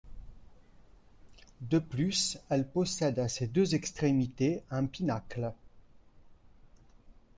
De plus, elle possède à ses deux extrémités un pinacle.